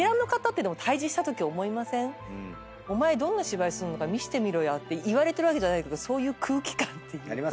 「どんな芝居すんのか見せてみろ」と言われてるわけじゃないけどそういう空気感って。